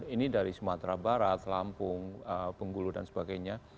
ini dari sumatera barat lampung bengkulu dan sebagainya